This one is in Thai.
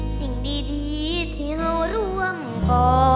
สิ่งดีที่เที่ยวร่วมก่อ